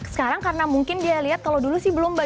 sekarang karena mungkin dia lihat kalau dulu sih belum mbak